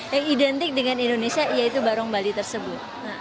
yang identik dengan indonesia yaitu barong bali tersebut